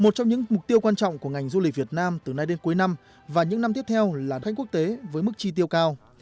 một trong những mục tiêu quan trọng của ngành du lịch việt nam từ nay đến cuối năm và những năm tiếp theo là khách quốc tế với mức chi tiêu cao